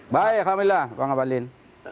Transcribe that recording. baik alhamdulillah bang ambalin